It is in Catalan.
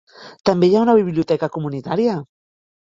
També hi ha una biblioteca comunitària.